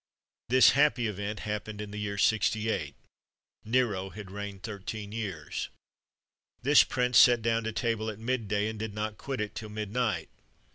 This happy event happened in the year 68. Nero had reigned thirteen years! This prince sat down to table at mid day, and did not quit it till midnight (Sueton.